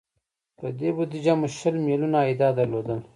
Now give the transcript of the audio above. په دې بودجه مو شل میلیونه عایدات درلودل.